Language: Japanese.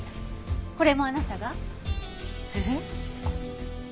これもあなたが？えっ？ああ。